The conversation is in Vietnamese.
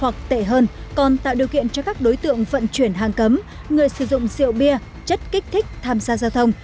hoặc tệ hơn còn tạo điều kiện cho các đối tượng vận chuyển hàng cấm người sử dụng rượu bia chất kích thích tham gia giao thông